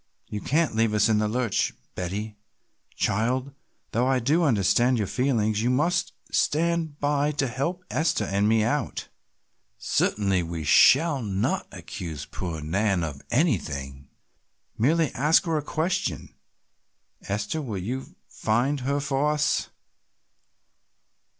"You can't leave us in the lurch, Betty, child, though I do understand your feelings, you must stand by to help Esther and me out. Certainly we shall not accuse poor Nan of anything, merely ask her a question. Esther, will you find her for us?"